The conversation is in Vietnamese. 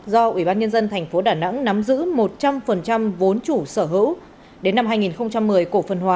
do ủy ban nhân dân thành phố đà nẵng nắm giữ một trăm linh vốn chủ sở hữu đến năm hai nghìn một mươi cổ phân hóa